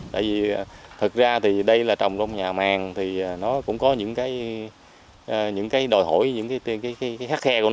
tại vì thật ra thì đây là trồng trong nhà màng thì nó cũng có những cái đòi thoải mái